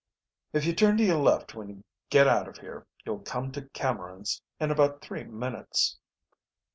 "If you turn to your left when you get out of here you'll come to Cameron's in about three minutes."